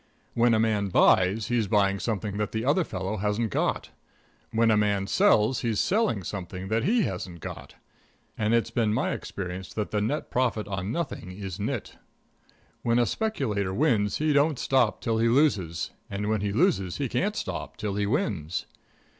When a man buys, he's buying something that the other fellow hasn't got. When a man sells, he's selling something that he hasn't got. And it's been my experience that the net profit on nothing is nit. When a speculator wins he don't stop till he loses, and when he loses he can't stop till he wins.